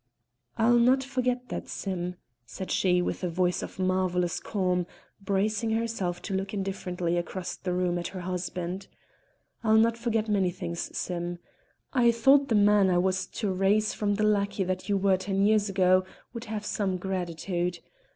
"I'll not forget that, Sim," said she with a voice of marvellous calm, bracing herself to look indifferently across the room at her husband. "I'll not forget many things, Sim. I thought the man I was to raise from the lackey that you were ten years ago would have some gratitude.